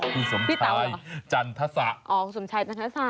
พี่สมชายพี่เต๋าเหรอจันทรัสะอ๋อสมชายจันทรัสะ